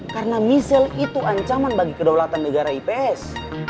karena missel itu ancaman bagi kedaulatan negara ips